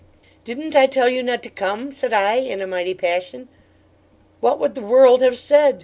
"Didn't I tell you not to come?" said I, in a mighty passion. "What would the world have said?"